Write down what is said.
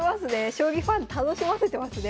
将棋ファン楽しませてますね